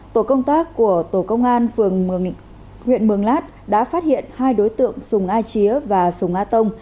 tổ công tác của tổ công an huyện mương lát đã phát hiện hai đối tượng súng a chía và súng a tông